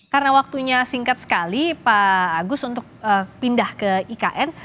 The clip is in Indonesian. karena waktunya singkat sekali pak agus untuk pindah ke ikn